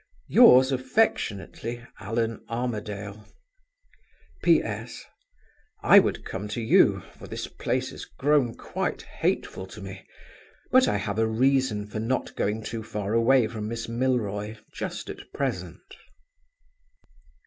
Yours affectionately, "ALLAN ARMADALE. "P. S. I would come to you (for this place is grown quite hateful to me), but I have a reason for not going too far away from Miss Milroy just at present."